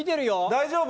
大丈夫？